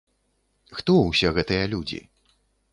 Хто ўсе гэтыя людзі?